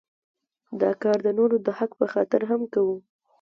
دا کار د نورو د حق په خاطر هم کوو.